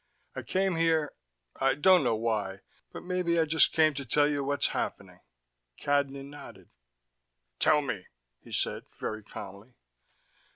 "I came here I don't know why, but maybe I just came to tell you what's happening." Cadnan nodded. "Tell me," he said, very calmly.